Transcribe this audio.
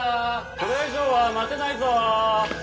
これ以上は待てないぞ。